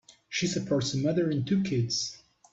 She supports a mother and two kids.